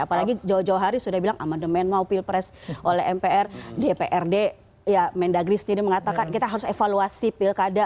apalagi jauh jauh hari sudah bilang amandemen mau pilpres oleh mpr dprd ya mendagri sendiri mengatakan kita harus evaluasi pilkada